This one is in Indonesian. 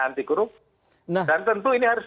anti korupsi dan tentu ini harus